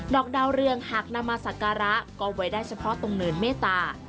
อกดาวเรืองหากนำมาสักการะก็ไว้ได้เฉพาะตรงเนินเมตตา